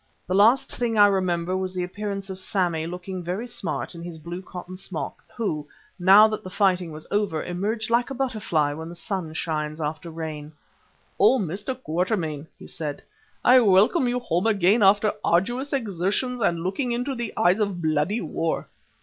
The last thing I remember was the appearance of Sammy, looking very smart, in his blue cotton smock, who, now that the fighting was over, emerged like a butterfly when the sun shines after rain. "Oh! Mr. Quatermain," he said, "I welcome you home again after arduous exertions and looking into the eyes of bloody war.